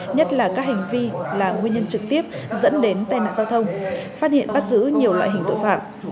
nhất là các hành vi là nguyên nhân trực tiếp dẫn đến tai nạn giao thông phát hiện bắt giữ nhiều loại hình tội phạm